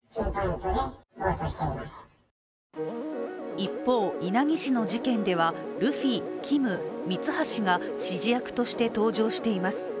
一方、稲城市ではルフィ、キム、ミツハシが指示役として登場しています。